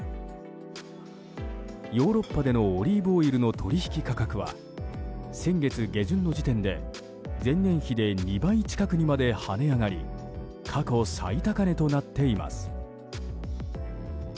ヨーロッパでのオリーブオイルの取引価格は先月下旬の時点で前年比で２倍近くにまで跳ね上がり過去最高値となっています。